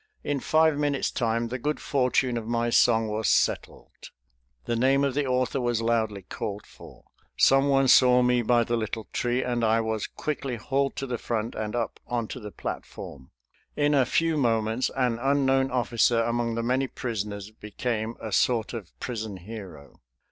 In five minutes' time the good fortune of my song was settled. The name of the author was loudly called for; someone saw me by the little tree, and I was quickly hauled to the front and up onto the platform. In a few moments an unknown officer among the many prisoners became a sort of prison hero.